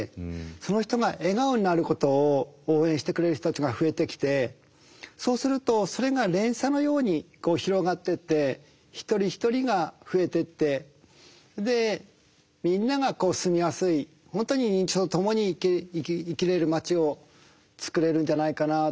その人が笑顔になることを応援してくれる人たちが増えてきてそうするとそれが連鎖のようにこう広がってって一人一人が増えてってでみんなが住みやすい本当に認知症とともに生きれる町をつくれるんじゃないかなって